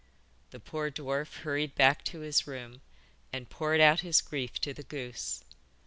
The poor dwarf hurried back to his room, and poured out his grief to the goose.